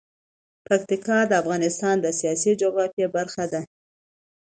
پکتیکا د افغانستان د سیاسي جغرافیه برخه ده.